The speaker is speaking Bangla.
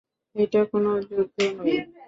এটা কোনো যুদ্ধ নই।